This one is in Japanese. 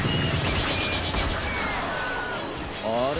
あれ？